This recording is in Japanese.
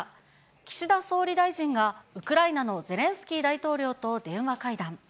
岸田総理大臣がウクライナのゼレンスキー大統領と電話会談。